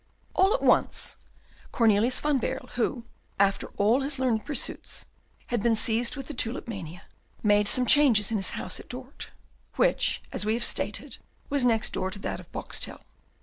All at once, Cornelius van Baerle, who, after all his learned pursuits, had been seized with the tulipomania, made some changes in his house at Dort, which, as we have stated, was next door to that of Boxtel.